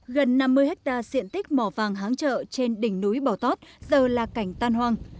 gần năm mươi hectare diện tích mỏ vàng háng trợ trên đỉnh núi bò tót giờ là cảnh tan hoang